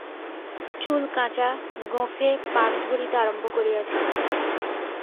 চুল কাঁচা, গোঁফে পাক ধরিতে আরম্ভ করিয়াছে মাত্র।